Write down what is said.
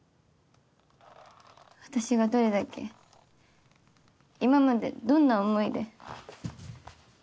私がどれだけ今までどんな思いで。